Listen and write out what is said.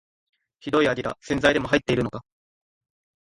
ひどい味だ、洗剤でも入ってるのか